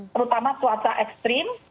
terutama cuaca ekstrim